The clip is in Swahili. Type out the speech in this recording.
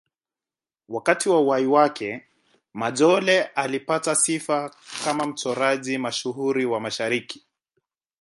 Wakati wa uhai wake, Majolle alipata sifa kama mchoraji mashuhuri wa Mashariki.